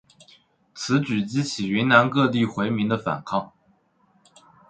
此举激起云南各地回民的反抗。